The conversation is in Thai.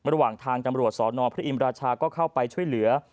ระหว่างทางตำรวจสนพระอินราชาก็เข้าไปช่วยเหลือ